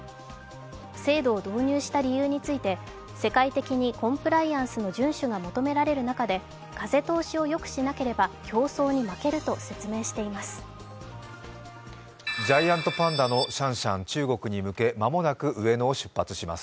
制度を導入した理由について世界的にコンプライアンスの順守が求められる中で風通しをよくしなければ競争に負けると説明しています。